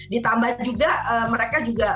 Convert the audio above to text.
ditambah juga mereka juga